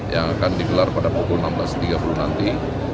yang akan digelar pada pukul enam belas tiga puluh nanti